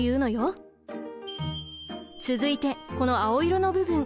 続いてこの青色の部分。